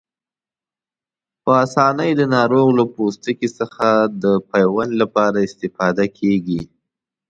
په آسانۍ د ناروغ له پوستکي څخه د پیوند لپاره استفاده کېږي.